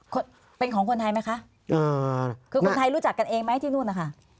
คนเป็นของคนไทยไหมคะอ่าคือคนไทยรู้จักกันเองไหมที่นู่นนะคะ